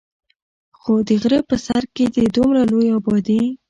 خو د غرۀ پۀ سر کښې د دومره لوے ابادي